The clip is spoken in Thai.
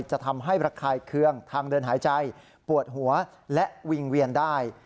จะทำให้ระคายเคืองทางเดินหายใจปวดหัวและวิงเวียนได้